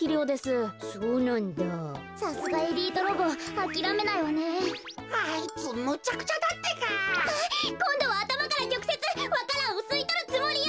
あっこんどはあたまからちょくせつわか蘭をすいとるつもりよ！